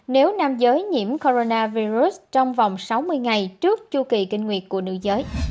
nếu nam giới nhiễm coronavirus trong vòng sáu mươi ngày trước chu kỳ kinh nguyệt của nữ giới